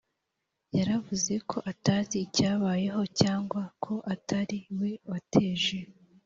yaravuze ko atazi icyabayeho cyangwa ko atari we wateje